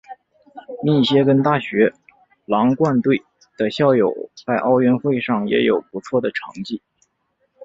密歇根大学狼獾队的校友在奥运会上也有不错的成绩。